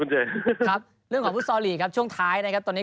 คุณเจยครับเรื่องของฟุทธศรครับช่วงท้ายนะครับตอนนี้